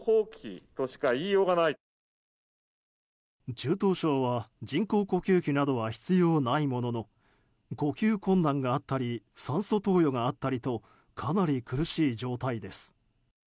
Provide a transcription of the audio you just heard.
中等症は人工呼吸器などは必要ないものの呼吸困難があったり酸素投与があったりとかなり苦しい状態です。